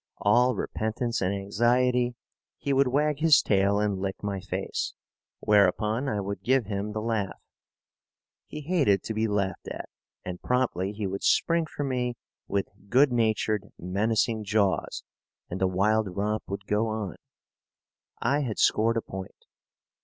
All repentance and anxiety, he would wag his tail and lick my face, whereupon I would give him the laugh. He hated to be laughed at, and promptly he would spring for me with good natured, menacing jaws, and the wild romp would go on. I had scored a point.